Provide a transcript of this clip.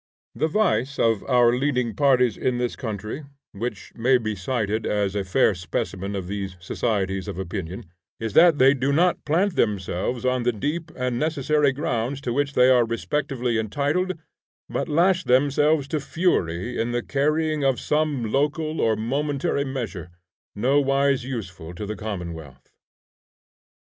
The vice of our leading parties in this country (which may be cited as a fair specimen of these societies of opinion) is that they do not plant themselves on the deep and necessary grounds to which they are respectively entitled, but lash themselves to fury in the carrying of some local and momentary measure, nowise useful to the commonwealth.